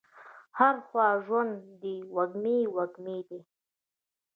هره خوا ژوند دی وږمې، وږمې دي